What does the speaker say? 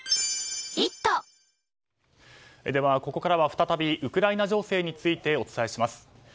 ここからは再びウクライナ情勢についてお伝えします。